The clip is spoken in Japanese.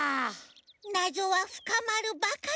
なぞはふかまるばかりだわ。